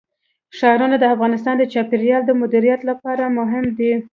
ښارونه د افغانستان د چاپیریال د مدیریت لپاره مهم دي.